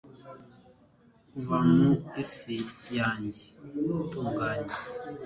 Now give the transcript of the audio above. kuva mu isi yanjye itunganye